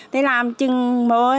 để làm chừng môi